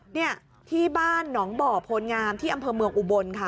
เนี่ยที่บ้านหนองบ่อโพลงามที่อำเภอเมืองอุบลค่ะ